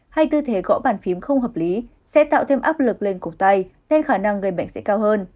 hay tư thế gõ bàn phím không hợp lý sẽ tạo thêm áp lực lên cổ tay nên khả năng gây bệnh sẽ cao hơn